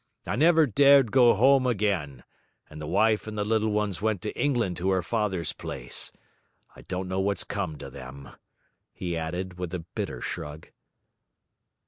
I never dared go home again; and the wife and the little ones went to England to her father's place. I don't know what's come to them,' he added, with a bitter shrug.